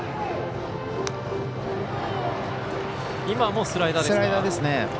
今もスライダーですね。